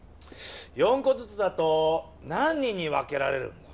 ４こずつだと何人に分けられるんだ？